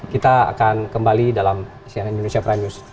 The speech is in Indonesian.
kita akan kembali dalam cnn indonesia prime news